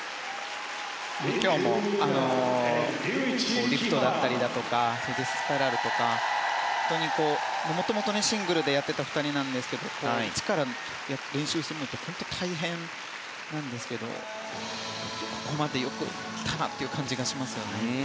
今日もリフトだったりだとかデススパイラルとか本当に元々シングルでやっていた２人なんですけど一から練習するのって本当に大変なんですがここまでよく来たなという感じがします。